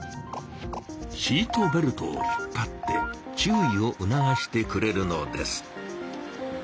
シートベルトを引っぱって注意をうながしてくれるのです。